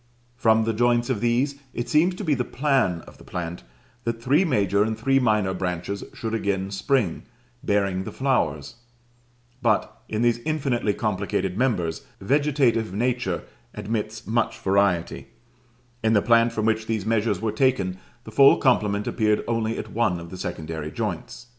From the joints of these, it seems to be the plan of the plant that three major and three minor branches should again spring, bearing the flowers: but, in these infinitely complicated members, vegetative nature admits much variety; in the plant from which these measures were taken the full complement appeared only at one of the secondary joints.